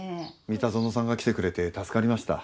三田園さんが来てくれて助かりました。